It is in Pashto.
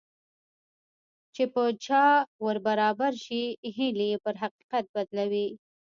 چې په چا ور برابر شي هيلې يې پر حقيقت بدلوي.